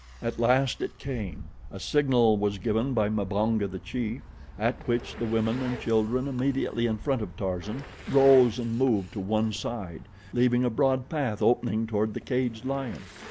At last it came. A signal was given by Mbonga, the chief, at which the women and children immediately in front of Tarzan rose and moved to one side, leaving a broad path opening toward the caged lion.